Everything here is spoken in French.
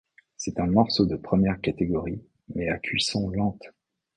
C'est un morceau de première catégorie mais à cuisson lente.